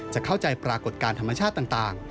จะเข้าใจปรากฏการณ์ธรรมชาติต่าง